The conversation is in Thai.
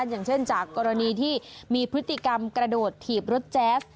อย่างเช่นจากกรณีที่มีพฤติกรรมกระโดดถีบรถแจ๊ส